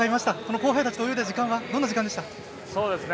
後輩たちと泳いだ時間はどういった時間でした？